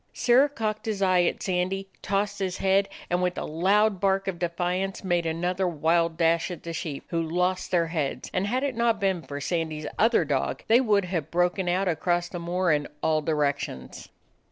Sirrah cocked his eye at Sandy, tossed his head, and, with a loud bark of defiance, made another wild dash at the sheep, who lost their heads, and had it not been for Sandy's other dog, they would have broken out across the moor in all directions.